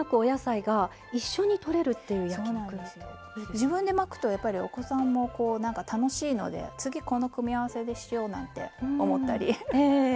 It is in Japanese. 自分で巻くとやっぱりお子さんも楽しいので次この組み合わせでしようなんて思ったり楽しんでくれるので。